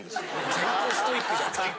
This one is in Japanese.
全然ストイックじゃない。